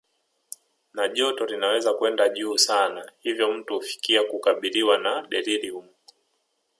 Na joto linaweza kwenda juu sana hivyo mtu hufikia kukabiliwa na deliriumu